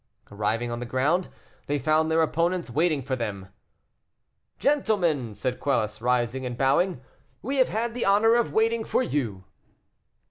Arriving on the ground, they found their opponents waiting for them. "Gentlemen," said Quelus, rising and bowing, "we have had the honor of waiting for you."